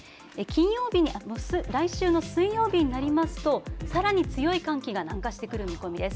来週の水曜日になりますと、さらに強い寒気が南下してくる見込みです。